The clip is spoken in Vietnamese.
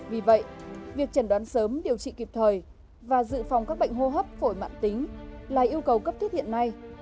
vì vậy việc trần đoán sớm điều trị kịp thời và dự phòng các bệnh hô hấp phổi mạng tính là yêu cầu cấp thiết hiện nay